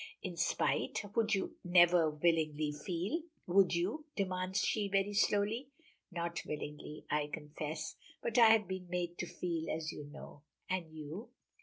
"In spite! Would you never willingly feel?" "Would you?" demands she very slowly. "Not willingly, I confess. But I have been made to feel, as you know. And you?"